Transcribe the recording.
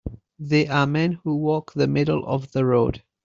They are men who walk the middle of the road.